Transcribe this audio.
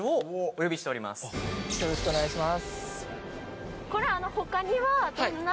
よろしくお願いします。